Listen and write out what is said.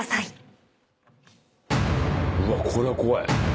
うわっこれは怖い。